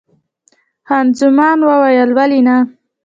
خان زمان وویل: ولې نه؟